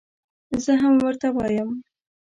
زه هم ورته وایم.